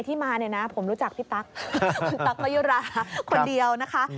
มาเนี่ยนะผมรู้จักพี่ตั๊กคุณตั๊กมะยุราคนเดียวนะคะ